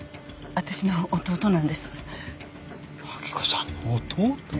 明子さんの弟？